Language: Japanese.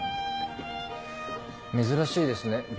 珍しいですね